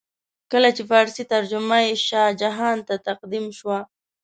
کله چې فارسي ترجمه یې شاه جهان ته تقدیم شوه.